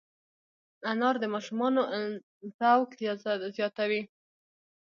انار د ماشومانو ذوق زیاتوي.